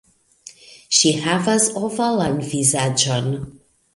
Ŝi havas ovalan vizaĝon.